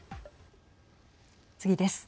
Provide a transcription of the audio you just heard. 次です。